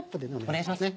お願いします。